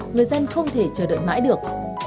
người dân không thể chờ đợi mãi được